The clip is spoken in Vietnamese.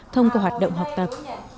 thông qua hoạt động học tập